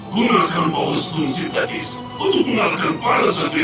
gunakan power stone sintetis untuk mengatakan para setia terundang